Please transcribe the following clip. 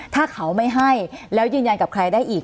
ถ้าเขาไม่ให้แล้วยืนยันกับใครได้อีก